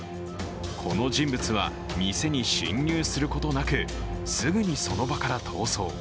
この人物は店に侵入することなく、すぐにその場から逃走。